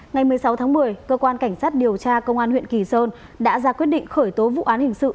ngày một mươi sáu tháng một mươi cơ quan cảnh sát điều tra công an huyện kỳ sơn đã ra quyết định khởi tố vụ án hình sự